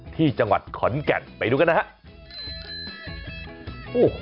ที่จังหวัดขอนแก่นไปดูกันนะครับ